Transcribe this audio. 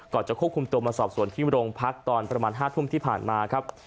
จะควบคุมตัวมาสอบส่วนที่โรงพักตอนประมาณ๕ทุ่มที่ผ่านมาครับ